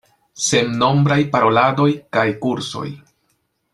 Sennombraj paroladoj kaj kursoj.